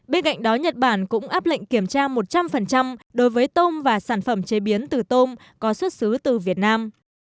bên cạnh đó nhật bản cũng áp lệnh kiểm tra một trăm linh đối với tôm và sản phẩm chế biến từ tôm có xuất xứ từ việt nam